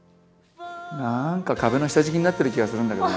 なんか壁の下敷きになってる気がするんだけどな。